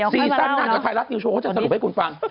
ซีซันนั่งกับไทยรัฐยูโชว์ก็จะสรุปให้คุณฟัง